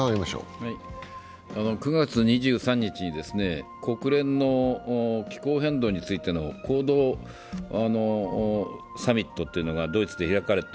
９月２３日に国連の気候変動についての行動サミットというのがドイツで開かれた。